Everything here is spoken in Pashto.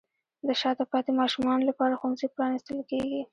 د شاته پاتې ماشومانو لپاره ښوونځي پرانیستل کیږي.